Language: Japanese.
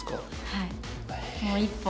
はい。